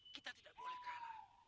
kita tidak boleh kalah